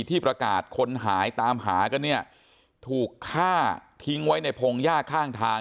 ที่ประกาศคนหายตามหากันเนี่ยถูกฆ่าทิ้งไว้ในพงหญ้าข้างทาง